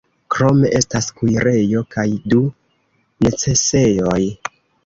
Krome estas kuirejo kaj du necesejoj.